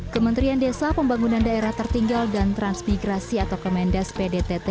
kementerian desa pembangunan daerah tertinggal dan transmigrasi atau kemendas pdtt